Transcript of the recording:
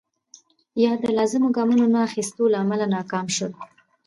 یا د لازمو ګامونو نه اخیستو له امله ناکام شول.